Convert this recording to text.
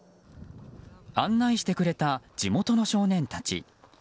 案内してくれた地元の少年たち。